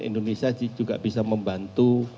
indonesia juga bisa membantu